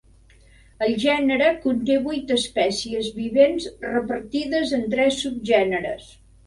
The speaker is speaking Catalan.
El gènere conté vuit espècies vivents repartides en tres subgèneres.